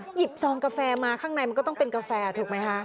หยิบซองกาแฟมาข้างในมันก็ต้องเป็นกาแฟถูกไหมคะ